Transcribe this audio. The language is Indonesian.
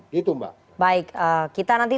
gitu mbak baik kita nanti